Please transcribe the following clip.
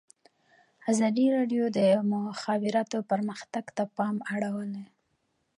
ازادي راډیو د د مخابراتو پرمختګ ته پام اړولی.